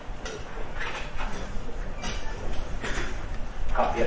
สวัสดีครับทุกคน